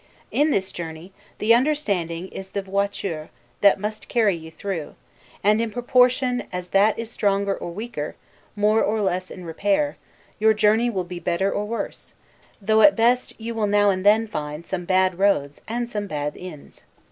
In this journey, the understanding is the 'voiture' that must carry you through; and in proportion as that is stronger or weaker, more or less in repair, your journey will be better or worse; though at best you will now and then find some bad roads, and some bad inns.